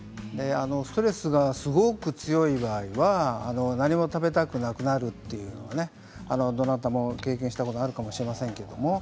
ストレスがすごく強い場合は何も食べたくなくなるというのはどなたも経験したことがあるかもしれません。